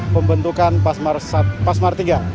pembentukan pasmar tiga